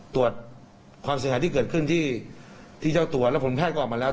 ตรวจความเสียหายที่เกิดขึ้นที่เจ้าตัวและผลแพทย์ก็ออกมาแล้ว